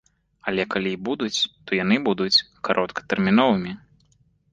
Але калі і будуць, то яны будуць кароткатэрміновымі.